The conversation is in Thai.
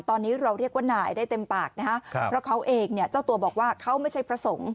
ตอนนี้เราเรียกว่าหน่ายได้เต็มปากนะฮะเพราะเขาเองเนี่ยเจ้าตัวบอกว่าเขาไม่ใช่พระสงฆ์